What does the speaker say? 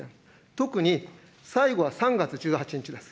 特に、最後は３月１８日です。